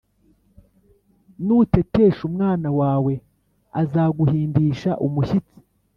Nutetesha umwana wawe, azaguhindisha umushyitsi,